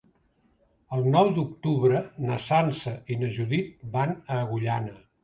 El nou d'octubre na Sança i na Judit van a Agullana.